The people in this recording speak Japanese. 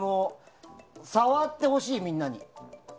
触ってほしい、みんなに。